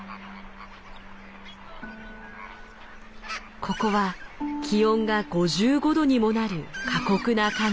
ここは気温が５５度にもなる過酷な環境。